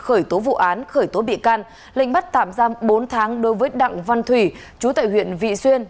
khởi tố vụ án khởi tố bị can lệnh bắt tạm giam bốn tháng đối với đặng văn thủy chú tại huyện vị xuyên